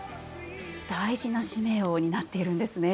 大事な使命を担っているんですね。